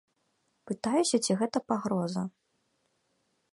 Пытаюся, ці гэта пагроза.